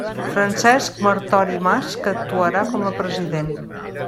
Francesc Martori Mas, que actuarà com a president.